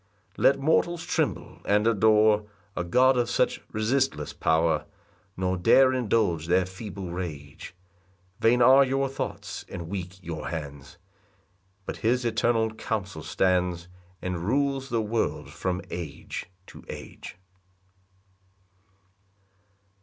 4 Let mortals tremble and adore A God of such resistless power, Nor dare indulge their feeble rage: Vain are your thoughts, and weak your hands; But his eternal counsel stands, And rules the world from age to age.